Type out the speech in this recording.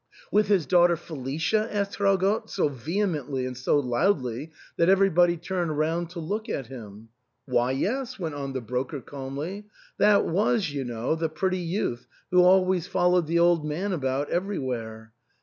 "With his daughter Felicia ?" asked Traugott so vehemently and so loudly that everybody turned round to look at him. " Why, yes," went on the broker calmly, " that was, you know, the pretty youth who always followed the old man about everjrwhere.